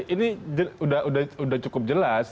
ini sudah cukup jelas